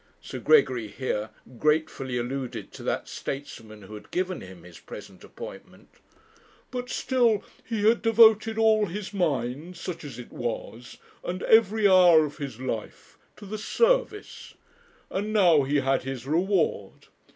Sir Gregory here gratefully alluded to that statesman who had given him his present appointment. 'But still he had devoted all his mind, such as it was, and every hour of his life, to the service; and now he had his reward.